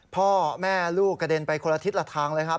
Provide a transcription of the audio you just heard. พ่อแม่ลูกกระเด็นไปคนละทิศละทางเลยครับ